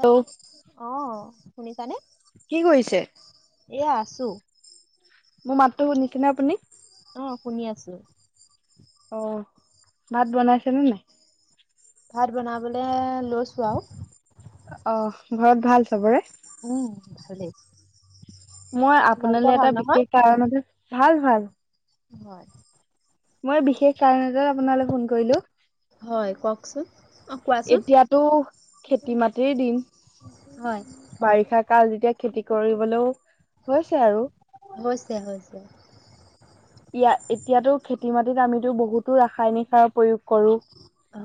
Hello. অ' শুনিছানে? কি কৰিছে? এয়া আছোঁ। মোৰ মাতটো শুনিছেনে আপুনি? অ' শুনি আছোঁ। অ' ভাত বনাইছেনে নাই? ভাত বনাবলৈ লৈছো আৰু। অ' ঘৰত ভাল চবৰে। উম, ভালেই। মই তোমালোকৰ আপোনালৈ ভাল এটা নহয়? বিশেষ কাৰণতে, ভাল, ভাল। হয়। মই বিশেষ কাৰণতে আপোনালৈ ফোন কৰিলোঁ। হয়, কওঁকচোন। এতিয়াতো খেতি মাটিৰ দিন। হয়। বাৰিষা কাল যেতিয়া খেতি কৰিবলৈও, হৈছে আৰু। হৈছে, হৈছে। ইয়াত, এতিয়াতো খেতি মাটিত আমিতো বহুতো ৰাসায়নিক সাৰ প্ৰয়োগ কৰোঁ।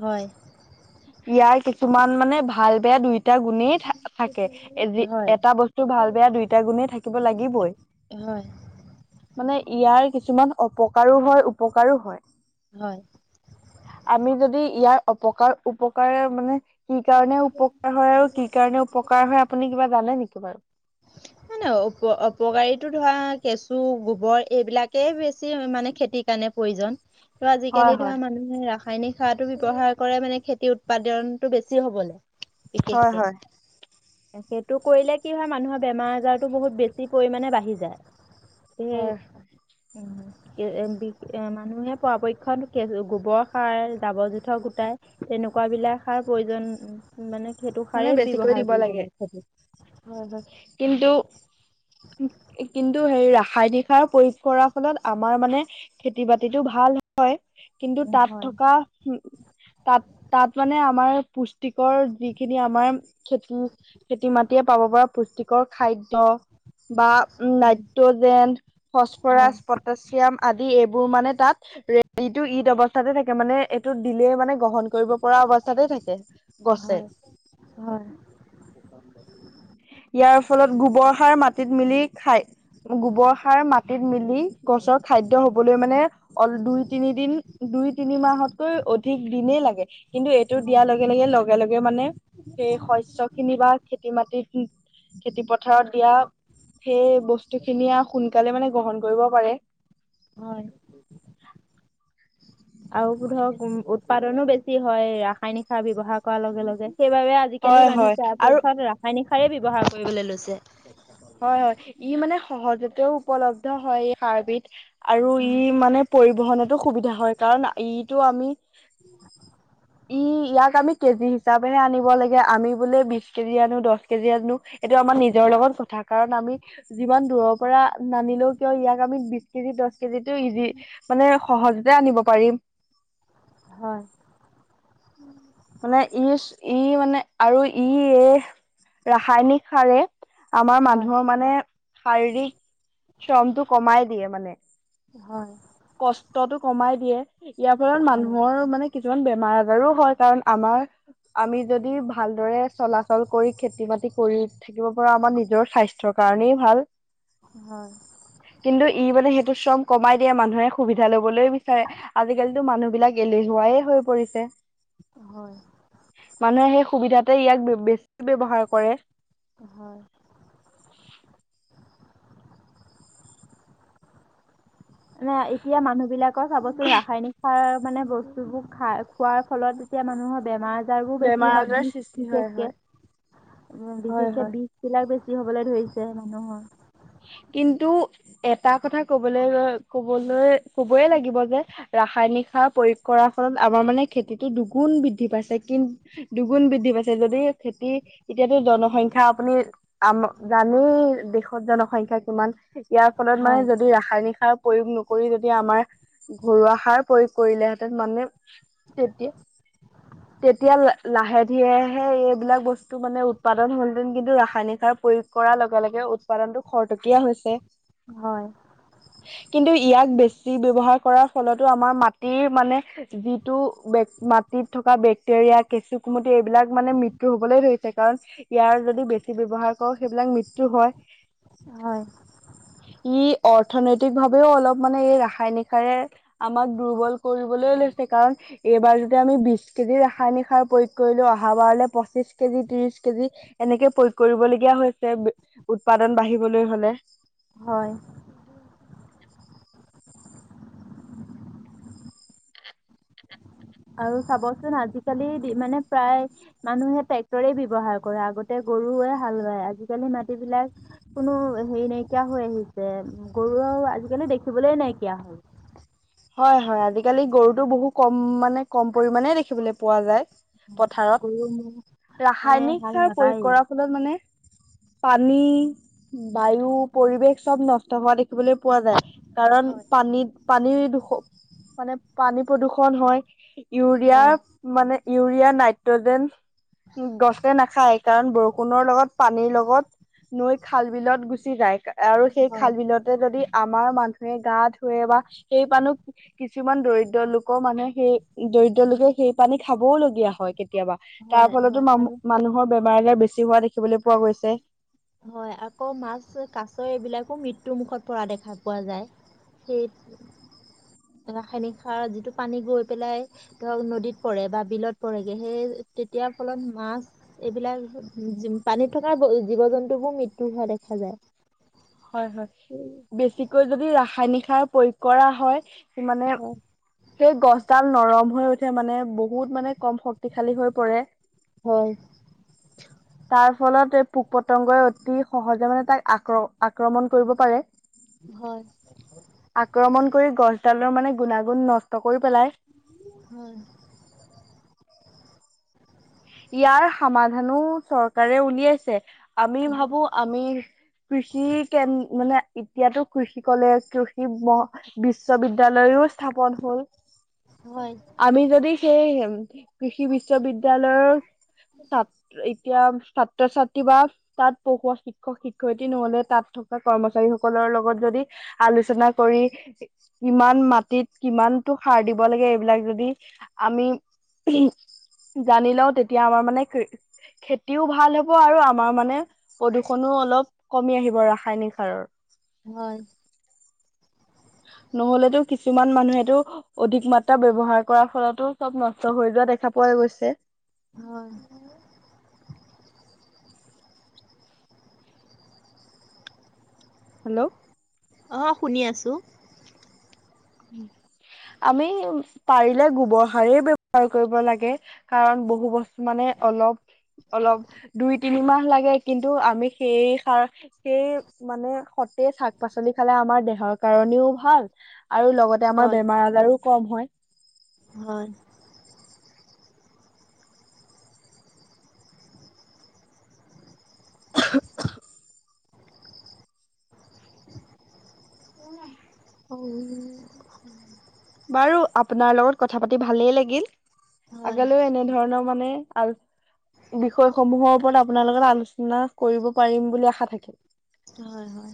হয়। ইয়াৰ কিছুমান মানে ভাল বেয়া দুইটা গুণেই থাকে, হয়, এটা বস্তু ভাল বেয়া দুইটা গুণেই থাকিব লাগিবই। হয়। মানে ইয়াৰ কিছুমান অপকাৰো হয়, উপকাৰো হয়। হয়। আমি যদি ইয়াৰ অপকাৰ, উপকাৰে মানে কি কাৰণে উপ হয়, আৰু কি কাৰণে উপকাৰ হয় আপুনি কিবা জানে নেকি বাৰু? মানে অ', অপকাৰীো ধৰা কেঁচু, গোবৰ এইবিলাকে বেছি মানে খেতি তেনে প্ৰয়োজন। ত' হয় আজিকালি ধৰা হয় মানুহে ৰাসায়নিক সাৰতো ব্যৱহাৰ কৰে, মানে খেতিৰ উৎপাদনটো বেছি হ'বলৈ। ঠিকেই, হয় ঠিকেই। সেইটো কৰিলে কি হয় মানুহৰ বেমাৰ বহুত বেছি পৰিমণে বাঢ়ি যায়। হয় হয় এ, মানুহে, পৰাপক্ষত গোবৰ সাৰ, জাবৰ জোঁথৰ গোটাই। তেনেকুৱা বিলাক সাৰ প্ৰয়োজন, মানে সেইটো মানে সাৰেই বেছিকৈ ব্যৱহাৰ দিব কৰিব লাগে। হয়, হয়, কিন্তু, কিন্তু হেৰি, ৰাসায়নিক সাৰ প্ৰয়োগ কৰা ফলত আমাৰ মানে খেতি-বাতিটো ভাল হয়, কিন্তু উম, তাত হয় থকা উম, তাত, তাত মানে আমাৰ পুষ্টিকৰ যি খিনি আমাৰ, খেতি, খেতি মাটিয়ে পাব পৰা পুষ্টিকৰ খাদ্য বা উম, নাইট্ৰজেন, হয় ফচফৰাচ পটাচিয়াম আদি, এইবোৰ মানে তাত [unintelligible] ঈদ অৱস্থাতে থাকে মানে এইটো দিলে মানে গ্ৰহণ কৰিব পৰা অৱস্থাতে থাকে, গছে। হয় হয়। ইয়াৰ ফলত গোবৰ সাৰ মাটিত মিলি খায় গোবৰ সাৰ মাটিত মিলি গছৰ খাদ্য হবলৈ মানে অল দুই তিনিদিন দুই তিনি মাহতকৈ অধিক দিনেই লাগে। কিন্তু এইটো হয় দিয়াৰ লগে লগে লগে লগে মানে সেই শস্য খিনি বা খেতি মাটিত খেতি পথাৰত দিয়া সেই বস্তু খিনিয়ে সোনকালে মানে গ্ৰহণ কৰিব পাৰে। হয়। [unintelligible] আৰু উদ্বোধক উম উৎপাদনো বেছি হয় ৰাসায়নিক সাৰ ব্যয়ৱহাৰ কৰাৰ লগে লগে সেইবাবে আজিকালি হয় মানুহে হয় আৰু পৰাপক্ষত ৰাসায়নিক সাৰেই ব্যৱহাৰ কৰিবলে লৈছে। হয় হয় ই মানে সহজতেও উপলব্ধ হয় সাৰবিধ আৰু হয় ই মানে পৰিবহনতো সুবিধা হয় কাৰণ ইটো আমি [unintelligible] ই ইয়াক আমি কেজি হিচাপেহে আনিব লাগে আমি বোলে বিশ কেজি আনো দহ কেজি আনো। এইটো আমাৰ নিজৰ লগত কথা কাৰণ আমি যিমান দূৰৰ পৰা নানিলেও কিয় ইয়াক আমি বিশ কেজি দহ কেজিতটো ইজি মানে সহজতে আনিব পাৰিম। হয়। মানে ইচ ই মানে আৰু ই এ ৰাসায়নিক সাৰে আমাৰ হয় মানুহৰ মানে শাৰীৰিক শ্ৰমটো কমাই দিয়ে মানে। হয়। কষ্টতটো কমাই দিয়ে ইয়াৰ ফলত হয় মানুহৰ মানে কিছুমান বেমাৰ আজাৰো হয় কাৰণ আমাৰ আমি যদি ভালদৰে চলাচল কৰি খেতি বাতি কৰি থাকিব পৰা আমাৰ নিজৰ স্বাস্থ্য স্বাস্থ কাৰণেই ভাল হয় কিন্তু ই মানে সেইটো শ্ৰম কমাই দিয়ে মানুহে সুবিধা লবলৈ বিচাৰে আজিকালিতো মানুহ বিলাক এলেহুৱাই হৈ পৰিছে। হয়। মানুহে সেই সুবিধাতে ইয়াক বে বেছি ব্যৱহাৰ কৰে। হয়। মানে এতিয়া মানুহ বিলাকৰ চাবচোন ৰাসায়নিক সাৰ মানে বস্তুবোৰ খাই খোৱাৰ ফলত যেতিয়া মানুহৰ বেমাৰ তাৰো বেমাৰ বেছি হয় আজাৰ বিষ সৃষ্টি হয় বিশেষকে হয় উম হয় হয়। বিশেষকে বিষ বিলাক বেছি হবলৈ ধৰিছে মানুহৰ। কিন্তু এটা কথা ক'বলৈ গৈ ক'বলৈ কবয় লাগিব যে। ৰাসায়নিক সাৰ প্ৰয়োগ কৰাৰ ফলত আমাৰ মানে খেতিটো দুগুণ বৃদ্ধি পাইছে। কিন দুগুণ বৃদ্ধি পাইছে যদি খেতি এতিয়াতো জনসংখ্যা আপুনি আম জানেয়ে দেশত জনসংখ্যা কিমান ইয়াৰ ফলত মানে হয় যদি ৰা ৰাসায়নিক সাৰ প্ৰয়োগ নকৰি যদি আমাৰ ঘৰুৱা সাৰ প্ৰয়োগ কৰিলেহেঁতেন মানে তেতিয়া তেতিয়া ল লাহে ধীৰেহে এইবিলাক বস্তু মানে উৎপাদন হ'লহেতেন কিন্তু ৰাসায়নিক সাৰ প্ৰয়োগ কৰাৰ লগে লগে উৎপাদনতটো খৰতকীয়া হৈছে। হয়। কিন্তু ইয়াক বেছি ব্যৱহাৰ কৰাৰ ফলতো আমাৰ মাটিৰ মানে। যিটো মাটিত থকা বেক্টেৰিয়া কেচু কুমটি এইবিলাক মানে মৃত্যু হবলৈ ধৰিছে কাৰণ ইয়াৰ যদি বেছি ব্যৱহাৰ কৰ সেইবিলাক মৃত্যু হয়। হয়। ই অৰ্থনৈতিক ভাৱেও অলপ মানে এই ৰাসায়নিক কাৰে আমাক দুৰ্বল কৰিবলৈ লৈছে কাৰণ এইবাৰ যদি আমি বিশ কেজি ৰাসায়নিক সাৰ প্ৰয়োগ কৰিলো অহা বাৰলে পঁচিশ কেজি ত্ৰিশ কেজি এনেকে প্ৰয়োগ কৰিবলগীয়া হৈছে উৎপাদন বাঢ়িবলৈ হলে। হয়। আৰু চাৱচোন আজিকালি দি মানে প্ৰায় মানুহে ট্ৰেক্টৰেই ব্যৱহাৰ কৰে আগতে গৰুৱে হালবায় আজিকালি মাটিবিলাক কোনো হেৰি নাইকিয়া হৈ আহিছে গৰু আৰু আজিকালি দেখিবলৈ নাইকিয়া হল। হয় হয় আজিকালি গৰুটো বহু কম মানে কম পৰিমানে দেখিবলৈ পোৱা যায়। গৰু ম'হে পথাৰত ৰাসায়নিক হাল সাৰ প্ৰয়োগ নাবায়েই কৰা ফলত মানে পানী বায়ু পৰিৱেশ চব নষ্ট হোৱা দেখিবলৈ দেখিবলৈ পোৱা যায় কাৰণ হয় পানীত পানী দু মানে পানী প্ৰদূৰ্ষণ হয় হয় ইউৰিয়াৰ মানে ইউৰিয়া নাইট্ৰজেন গছে নাখায় কাৰণ ব ষুণৰ লগত পানীৰ লগত নৈ খাল বিলত গুচি যায় আৰু সেই হয় খাল বিলত যদি আমাৰ মানুহে গা ধুৱে বা সেই মানুহ কিছুমান দৰিদ্ৰ লোকক মানে সেই দৰিদ্ৰ লোকে সেই পানী খাবও লগীয়া হয়। কেতিয়াবা তাৰ হয় ফলতো হয় আৰু মানুহৰ বেমাৰ আজাৰ বেছি হোৱা দেখিবলৈ পোৱা গৈছে। হয় আকৌ মাছ কাছ এইবিলাকো মৃত্যু মুখত পৰা দেখা পোৱা যায়। সেই ৰাসায়নিক সাৰ যিটো পানী গৈ পেলাই ধৰক নদীত পৰে বা বিলত পৰেগে, সেই তেতিয়াৰ ফলত মাছ এইবিলাক জি পানীত থকা জীৱ জন্তুবোৰ মৃত্যু হোৱা দেখা যায়। হয় হয় বেছিকৈ যদি ৰাসায়নিক সাৰ প্ৰয়োগ কৰা হয়। সিমানে হয় সেই গছডাল নৰম হৈ উঠে মানে বহুত মানে কম শক্তিশালী হৈ পৰে। হয়। তাৰ ফলত এই পোক পতংগই অতি সহজে মানে তাক আক্ৰ আক্ৰমণ কৰিব পাৰে। হয়। আক্ৰমণ কৰি গছডালৰ মানে গুণাগুণ নষ্ট কৰি পেলাই। হয়। ইয়াৰ সমাধানো চৰকাৰে উলিয়াইছে আমি ভাবো আমি কৃষি কেন মানে এতিয়াতো কৃষি কলেজ কৃষি মহ বিশ্ববিদ্যয়ালয়ও স্থাপন হ'ল। হয়। আমি যদি সেই কৃষি বিশ্ববিদয়ালয়ৰ ছাত এতিয়া ছাত্ৰ ছাত্ৰী বা তাত পঢ়োৱা শী শিক্ষক শিক্ষয়ত্ৰী নহলে তাত থকা কৰ্মচাৰী সকলৰ লগত যদি আলোচনা কৰি কিমান মাটিত কিমানতটো সাৰ দিব লাগে এইবিলাক যদি আমি জানিলও তেতিয়া আমাৰ মানে কি খেতিও ভাল হ'ব আৰু আমাৰ মানে প্ৰদূষণোও অলপ কমি আহিব ৰাসায়নিক সাৰৰ। হয়। নহলেতো কিছুমান মানুহেতো অধিক মাত্ৰা ব্যৱহাৰ কৰাৰ ফলতো চব নষ্ট হৈ যোৱা দেখা পোৱা গৈছে। হয়। হেল্ল' অঁ শুনি আছোঁ। আমি ওম পাৰিলে গোবৰ সাৰেই ব্যৱহাৰ কৰিব লাগে। কাৰণ বহু বস্তু মানে অলপ অলপ দুই - তিনি মাহ লাগে কিন্তু আমি সেই সাৰ সেই মানে সতে শাক - পাচলি খালে আমাৰ দেহৰ কাৰণেও ভাল আৰু লগত তে আমাৰ হয় বেমাৰ - আজাৰো কম হয়। হয়। [inaudible] অই উম। বাৰু আপোনাৰ লগত কথা পাতি ভালেই লাগিল, আগলৈও এনে ধৰণৰ মানে আল বিষয়সমূহৰ ওপৰত আপোনাৰ লগত আলোচনা কৰিব পাৰিম বুলি আশা থাকিল। হয় হয়।